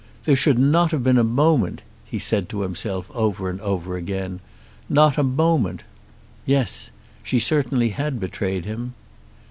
"There should not have been a moment," he said to himself over and over again, "not a moment!" Yes; she certainly had betrayed him.